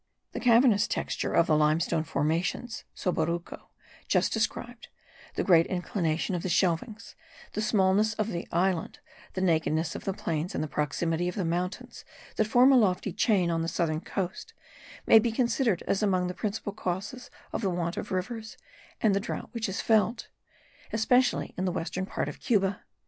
The cavernous texture of the limestone formations (soboruco) just described, the great inclination of the shelvings, the smallness of the island, the nakedness of the plains and the proximity of the mountains that form a lofty chain on the southern coast, may be considered as among the principal causes of the want of rivers and the drought which is felt, especially in the western part of Cuba.